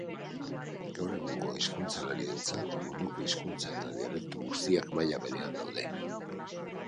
Gaur egungo hizkuntzalarientzat munduko hizkuntza eta dialekto guztiak maila berean daude.